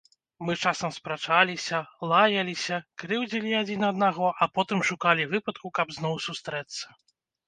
Мы часам спрачаліся, лаяліся, крыўдзілі адзін аднаго, а потым шукалі выпадку, каб зноў сустрэцца.